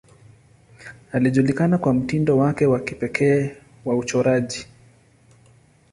Alijulikana kwa mtindo wake wa kipekee wa uchoraji.